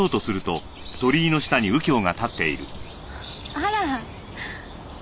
あら。